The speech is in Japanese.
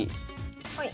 はい。